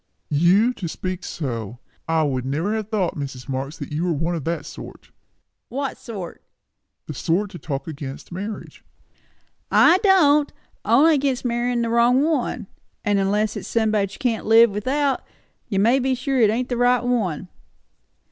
"You to speak so!" said Tom. "I never should have thought, Mrs. Marx, you were one of that sort." "What sort?" "The sort that talk against marriage." "I don't! only against marryin' the wrong one; and unless it's somebody that you can't live without, you may be sure it ain't the right one."